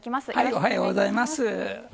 おはようございます。